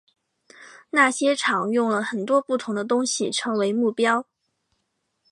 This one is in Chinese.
那些场用了很多不同的东西成为目标。